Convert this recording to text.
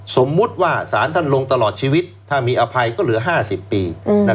สมมุติว่าสารท่านลงตลอดชีวิตถ้ามีอภัยก็เหลือ๕๐ปี